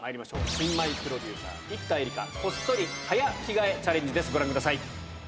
新米プロデューサー、生田絵梨花、こっそり早着替えチャレンジです。